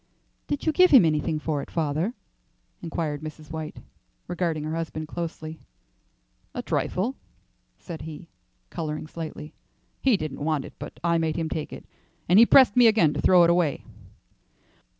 "Did you give him anything for it, father?" inquired Mrs. White, regarding her husband closely. "A trifle," said he, colouring slightly. "He didn't want it, but I made him take it. And he pressed me again to throw it away."